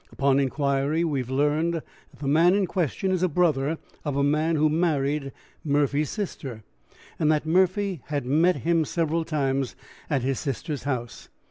"Upon inquiry we have learned that the man in question is a brother of a man who married Murphy's sister, and that Murphy has met him several times at his sister's house.